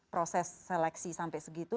proses seleksi sampai segitu